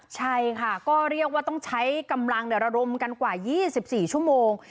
ใช่ค่ะก็เรียกว่าต้องใช้กำลังระดมกันกว่า๒๔ชั่วโมง